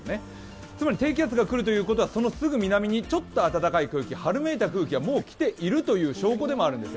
つまり低気圧が来るということは、そのすぐ南にちょっと温かい空気、春めいた空気がもう来ているという証拠でもあるわけです。